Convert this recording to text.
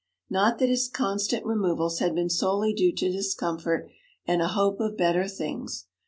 Not that his constant removals had been solely due to discomfort and a hope of better things.